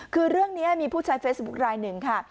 คือเรื่องนี้มีผู้ใช้เฟซบุ๊คลายหนึ่งค่ะ